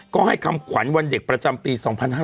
ก็ให้คำขวัญวันเด็กประจำปี๒๕๕๙